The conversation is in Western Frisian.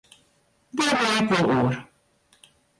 Dêr mei ik wol oer.